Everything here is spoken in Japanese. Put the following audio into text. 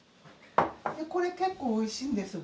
これ結構おいしいんですよ。